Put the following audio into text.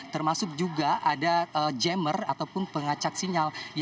termasuk juga ada jammer ataupun pengacak sinyal